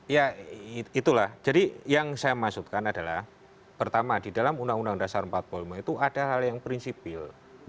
ya itulah jadi yang saya maksudkan adalah pertama di dalam undang undang dasar empat puluh lima itu ada hal yang prinsipil